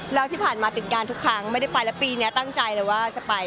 แล้วที่ผ่านมาติดการทุกครั้งไม่ได้ไปแล้วปีนี้ตั้งใจเลยว่าจะไป